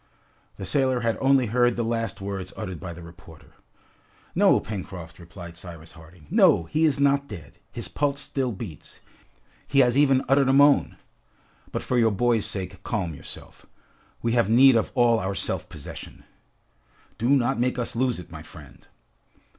The sailor had only heard the last words uttered by the reporter. "No, Pencroft," replied Cyrus Harding, "no! He is not dead. His pulse still beats. He has even uttered a moan. But for your boy's sake, calm yourself. We have need of all our self possession." "Do not make us lose it, my friend."